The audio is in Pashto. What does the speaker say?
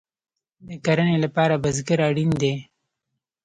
د کرنې لپاره بزګر اړین دی